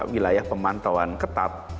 wilayah pemantauan ketat